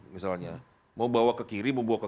misalnya mau bawa ke kiri mau bawa ke